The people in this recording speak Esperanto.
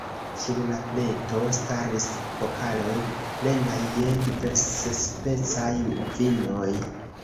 Sur la pleto staris pokaloj plenaj je diversspecaj vinoj.